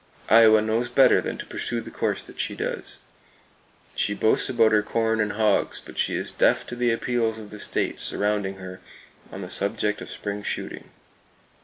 Iowa knows better than to pursue the course that she does! She boasts about her corn and hogs, but she is deaf to the appeals of the states surrounding her on the subject of spring shooting.